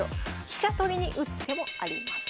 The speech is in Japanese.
飛車取りに打つ手もあります。